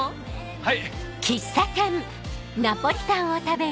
はい。